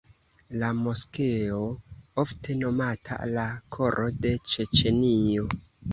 La moskeo ofte nomata "la koro de Ĉeĉenio".